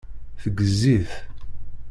Teggez-it.